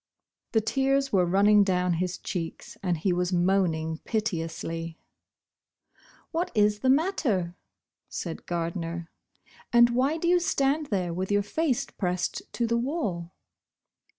The tears were running down his cheeks, and he was moaning piteously. lo Bosh Bosh Oil. ''What is the matter?" said Gardner, "and why do you stand there with your face pressed to the wall